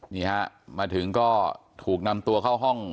นี่ฮะมาถึงก็ถูกนำตัวเข้าห้อง